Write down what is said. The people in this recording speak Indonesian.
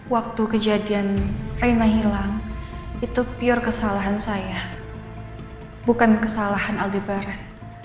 waktu kejadian rena hilang itu kesalahan saya bukan aldebaran